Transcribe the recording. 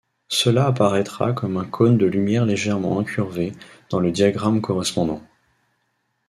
Cela apparaîtra comme un cône de lumière légèrement incurvé dans le diagramme correspondant.